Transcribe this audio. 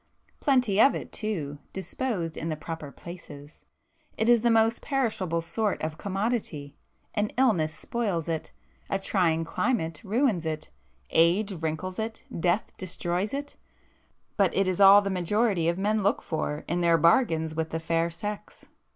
Plenty of it too, disposed in the proper places. It is the most perishable sort of commodity,—an illness spoils it,—a trying climate ruins it,—age wrinkles it,—death destroys it,—but it is all the majority of men look for in their bargains with the fair sex.